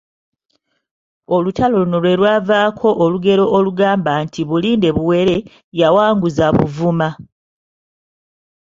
Olutalo luno lwe lwavaako olugero olugamba nti Bulinde buwere, yawanguza Buvuma.